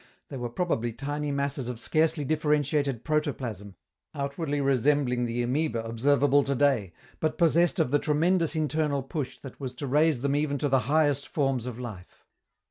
They were probably tiny masses of scarcely differentiated protoplasm, outwardly resembling the amoeba observable to day, but possessed of the tremendous internal push that was to raise them even to the highest forms of life.